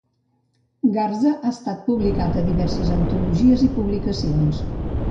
Garza ha estat publicat a diverses antologies i publicacions.